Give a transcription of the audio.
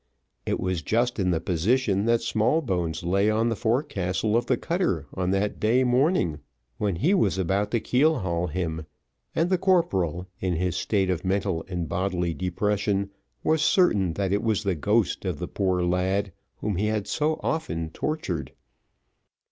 It was just in the position that Smallbones lay on the forecastle of the cutter on that day morning, when he was about to keel haul him, and the corporal, in his state of mental and bodily depression, was certain that it was the ghost of the poor lad whom he had so often tortured.